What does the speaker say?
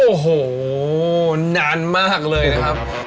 โอ้โหนานมากเลยนะครับ